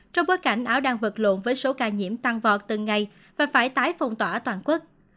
trong bối cảnh áo đang vật lộn với số ca nhiễm tăng vọt từng ngày và phải tái phong tỏa toàn quốc